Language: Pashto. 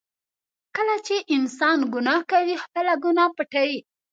کله چې انسان ګناه کوي، خپله ګناه پټوي.